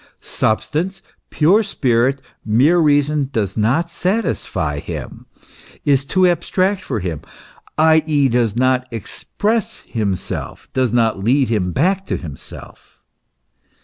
Substance, pure spirit, mere reason, does not satisfy him, is too abstract for him, i.e., does not express himself, does not lead him back to himself.